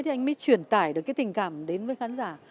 thì anh mới truyền tải được cái tình cảm đến với khán giả